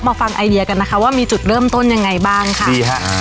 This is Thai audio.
ฟังไอเดียกันนะคะว่ามีจุดเริ่มต้นยังไงบ้างค่ะดีฮะอ่า